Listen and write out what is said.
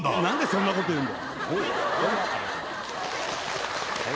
なんでそんなこと言うんだよ。